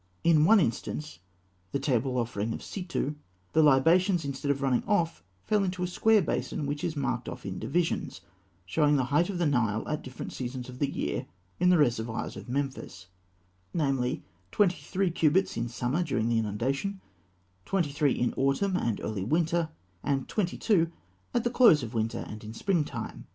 In one instance the offering table of Sitû the libations, instead of running off, fell into a square basin which is marked off in divisions, showing the height of the Nile at the different seasons of the year in the reservoirs of Memphis; namely, twenty five cubits in summer during the inundation, twenty three in autumn and early winter, and twenty two at the close of winter and in spring time.